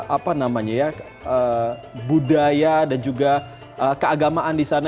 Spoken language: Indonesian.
apa namanya ya budaya dan juga keagamaan di sana